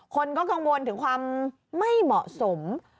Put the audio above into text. คนก็กังวลถึงความไม่เหมาะสม